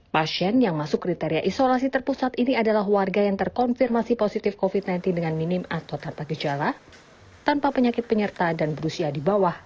pasien yang masuk kriteria isolasi terpusat ini adalah warga yang terkonfirmasi positif covid sembilan belas dengan minim atau tanpa gejala tanpa penyakit penyerta dan berusia di bawah